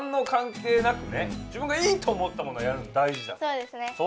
そうですね。